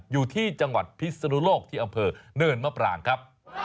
อยู่ที่จังหวัดพิษลุโรคอยู่ที่อำเภอเนิ่นนมพรางครับ